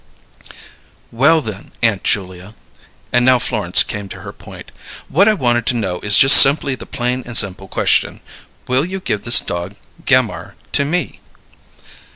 "Well, then, Aunt Julia" and now Florence came to her point "what I wanted to know is just simply the plain and simple question: Will you give this dog Gammire to me?"